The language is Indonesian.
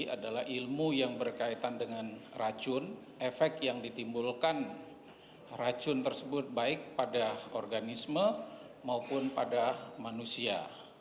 adalah ilmu yang berkaitan dengan racun efek yang ditimbulkan racun tersebut baik pada organisme maupun pada manusia